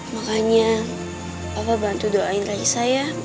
makanya papa bantu doain raisa ya